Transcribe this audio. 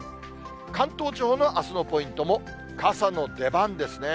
関東地方のあすのポイントも、傘の出番ですね。